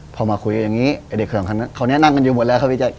พอมาคุยอย่างนี้เขานั่งกันอยู่หมดแล้วครับพี่ใจ